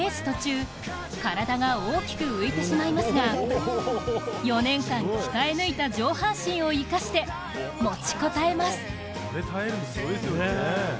途中体が大きく浮いてしまいますが４年間鍛え抜いた上半身を生かして持ちこたえます。